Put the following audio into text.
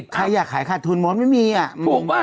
ใครอยากขายขัดทุนมทรณ์ไม่มีน่ะ